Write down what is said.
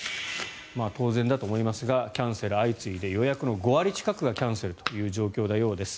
当然だと思いますがキャンセルが相次いで予約の５割近くがキャンセルという状況のようです。